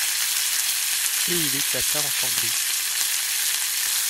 Et il éclata en sanglots.